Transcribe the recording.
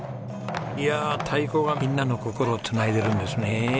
いやあ太鼓がみんなの心を繋いでるんですね。